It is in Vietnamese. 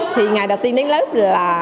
thì ngày đầu tiên đến lớp là